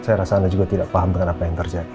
saya rasa anda juga tidak paham dengan apa yang terjadi